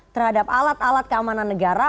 terhadap alat alat keamanan negara